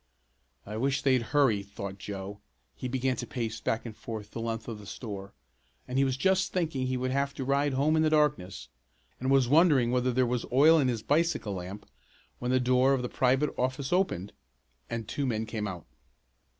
"I wish they'd hurry!" thought Joe. He began to pace back and forth the length of the store, and he was just thinking he would have to ride home in the darkness, and was wondering whether there was oil in his bicycle lamp, when the door of the private office opened and two men came out.